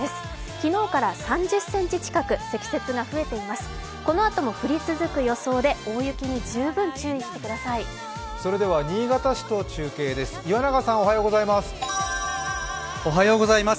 昨日から３０ｃｍ近く、積雪が増えています。